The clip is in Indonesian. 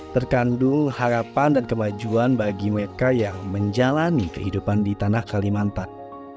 terkandung harapan dan kemajuan bagi mereka yang menjalani kehidupan di tanah kalimantan